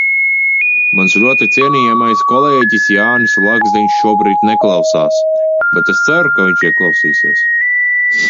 Mans ļoti cienījamais kolēģis Jānis Lagzdiņš šobrīd neklausās, bet es ceru, ka viņš ieklausīsies.